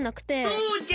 そうじゃ！